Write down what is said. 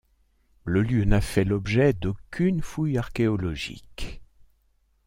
Le lieu n'a fait l'objet d'aucune fouille archéologique.